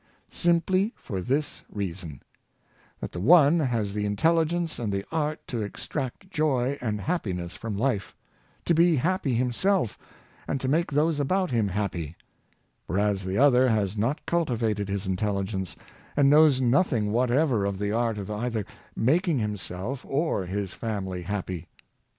Simply for this reason: that the one has the intelli gence and the art to extract joy and happiness from life; to be happy himself, and to make those about him happy; whereas the other has not cultivated his intelli^ gence, and knows nothing whatever of the art of either making himself or his family happy.